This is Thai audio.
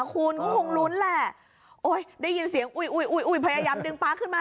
คุณก็คงลุ้นแหละโอ้ยได้ยินเสียงอุ้ยพยายามดึงป๊าขึ้นมา